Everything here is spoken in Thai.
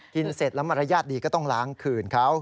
เสร็จแล้วมารยาทดีก็ต้องล้างคืนเขา